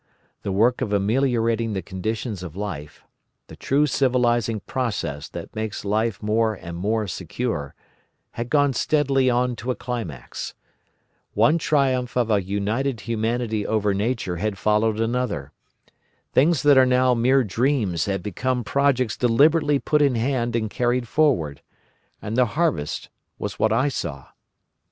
The work of ameliorating the conditions of life—the true civilising process that makes life more and more secure—had gone steadily on to a climax. One triumph of a united humanity over Nature had followed another. Things that are now mere dreams had become projects deliberately put in hand and carried forward. And the harvest was what I saw!